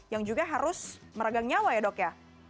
yang juga harus meregang nyawa ya dok ya